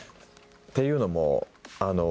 っていうのも。